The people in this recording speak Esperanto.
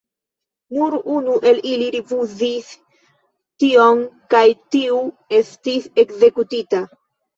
Nur unu el ili rifuzis tion kaj tiu estis ekzekutita.